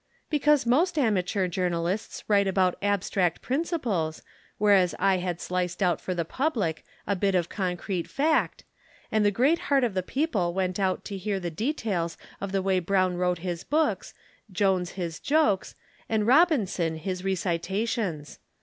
"Because most amateur journalists write about abstract principles, whereas I had sliced out for the public a bit of concrete fact, and the great heart of the people went out to hear the details of the way Brown wrote his books, Jones his jokes, and Robinson his recitations.